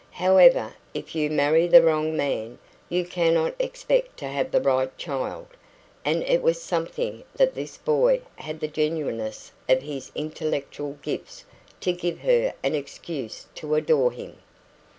However, if you marry the wrong man, you cannot expect to have the right children, and it was something that this boy had the genuineness of his intellectual gifts to give her an excuse to adore him.